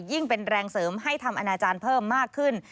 ยิ่งเป็นแรงเสริมให้ทำอนาจารย์เพิ่มมากขึ้น